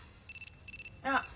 あっ。